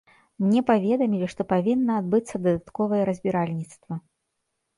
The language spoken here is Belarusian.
Мне паведамілі, што павінна адбыцца дадатковае разбіральніцтва.